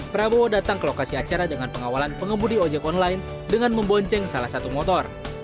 prabowo datang ke lokasi acara dengan pengawalan pengemudi ojek online dengan membonceng salah satu motor